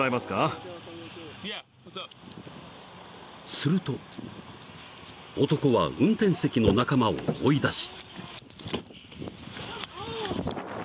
［すると男は運転席の仲間を追い出し］